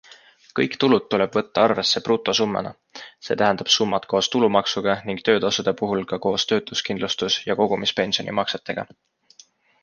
Kõik tulud tuleb võtta arvesse brutosummana, see tähendab summad koos tulumaksuga ning töötasude puhul ka koos töötuskindlustus- ja kogumispensionimaksetega.